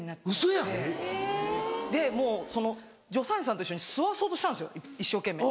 ウソや！で助産師さんと一緒に吸わそうとしたんです一生懸命。